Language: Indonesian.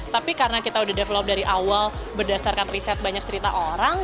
tapi karena kita udah develop dari awal berdasarkan riset banyak cerita orang